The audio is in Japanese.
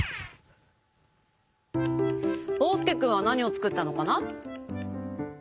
おうすけくんはなにをつくったのかな？